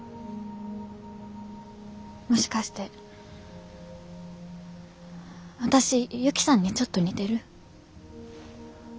もしかして私ユキさんにちょっと似てる？